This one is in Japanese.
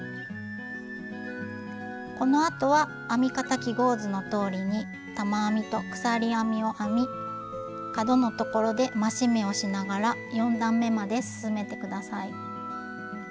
このあとは編み方記号図のとおりに玉編みと鎖編みを編み角のところで増し目をしながら４段めまで進めて下さい。